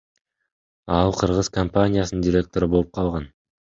Ал кыргыз компаниясынын директору болуп калган.